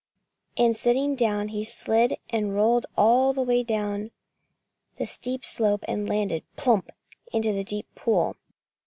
And sitting down, he slid and rolled all the way down the steep slope and landed plump! in the deep pool.